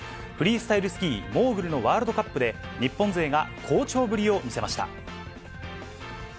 フリースタイルスキー、モーグルのワールドカップで、日本勢が好調ぶりを見せました。